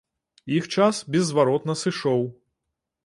Іх час беззваротна сышоў.